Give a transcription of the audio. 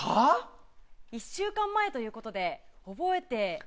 １週間前ということで覚えていますか？